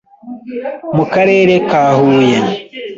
Mu karere ka Huye